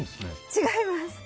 違います。